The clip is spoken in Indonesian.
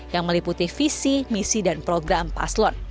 yang meliputi visi misi dan program paslon